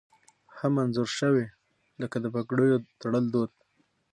هم انځور شوي لکه د پګړیو تړل دود